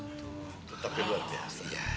tetapi luar biasa